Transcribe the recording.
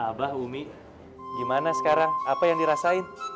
abah umi gimana sekarang apa yang dirasain